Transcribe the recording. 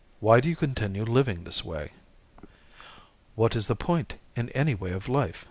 Why do you continue living this way?" "What is the point in any way of life?